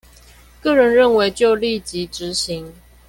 個人認為就立即執行